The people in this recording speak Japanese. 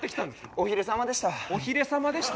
「おひれさまでした」？